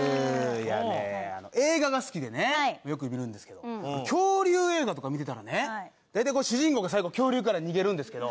いやあねえ映画が好きでねよく見るんですけど恐竜映画とか見てたらね大体主人公が最後恐竜から逃げるんですけど